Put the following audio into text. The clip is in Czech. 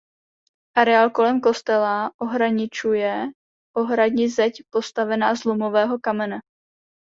Areál kolem kostela ohraničuje ohradní zeď postavená z lomového kamene.